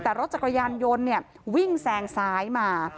แต่รถจักรยานยนต์เนี่ยวิ่งแซงซ้ายมา